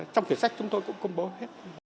trong cái sách chúng tôi cũng công bố hết